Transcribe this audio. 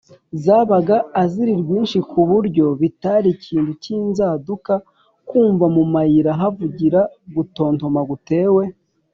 zabaga azirirwinshi ku buryo bitari ikintu cy’inzaduka kumva mu mayira havugira gutontoma gutewe